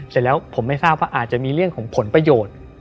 เสร็จแล้วผมไม่ทราบว่าอาจจะมีเรื่องของผลประโยชน์